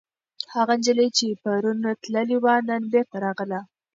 هغه نجلۍ چې پرون تللې وه، نن بېرته راغله.